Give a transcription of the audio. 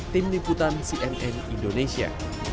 tim liputan cnn indonesia